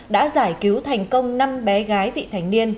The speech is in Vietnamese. đã giải cứu thành công năm bé gái vị thành niên